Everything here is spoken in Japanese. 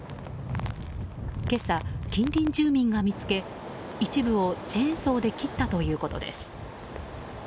今朝、近隣住民が見つけ一部をチェーンソーで切ったということです。